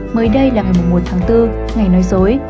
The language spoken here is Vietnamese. mới đây là ngày một tháng bốn ngày nói dối